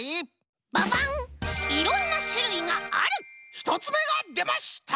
ひとつめがでました！